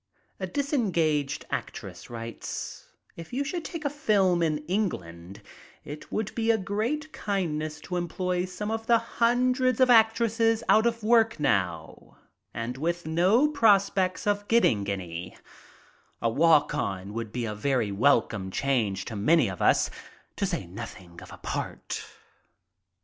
A disengaged actress writes: "If you should take a film in England it would be a great kindness to employ some of the hundreds of actresses out of work now and with no 82 MY TRIP ABROAD prospects of getting any, A walk on would be a very wel come change to many of us, to say nothing of a part."